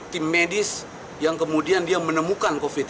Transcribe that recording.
tim medis yang kemudian dia menemukan covid sembilan belas